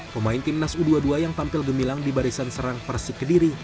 pemain timnas u dua puluh dua yang tampil gemilang di barisan serang persik kediri